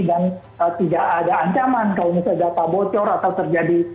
dan tidak ada ancaman kalau misalnya data bocor atau terjadi